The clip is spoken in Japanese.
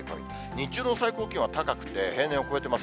日中の最高気温は高くて、平年を超えてます。